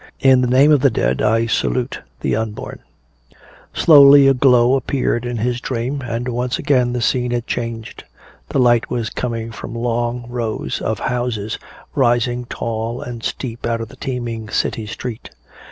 In the name of the dead I salute the unborn!" Slowly a glow appeared in his dream, and once again the scene had changed. The light was coming from long rows of houses rising tall and steep out of a teeming city street.